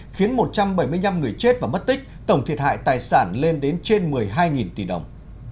khiến một trăm bảy mươi năm người chết và mất tích tổng thiệt hại tài sản lên đến trên một mươi hai tỷ đồng